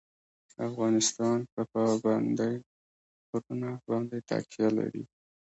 افغانستان په پابندی غرونه باندې تکیه لري.